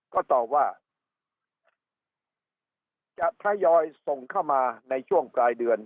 ก็ตอบว่าจะทยอยส่งเข้ามาในช่วงปลายเดือน